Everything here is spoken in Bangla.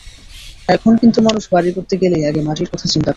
এখন কিন্তু মানুষ বাড়ি করতে গেলেই আগে মাটির কথা চিন্তা করে।